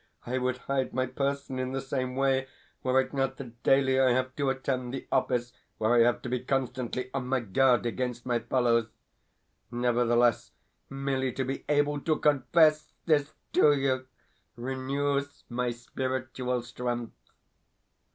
I would hide my person in the same way, were it not that daily I have to attend the office where I have to be constantly on my guard against my fellows. Nevertheless, merely to be able to CONFESS this to you renews my spiritual strength.